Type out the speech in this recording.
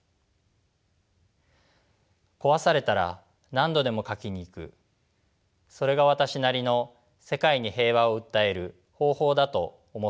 壊されたら何度でも描きに行くそれが私なりの世界に平和を訴える方法だと思っています。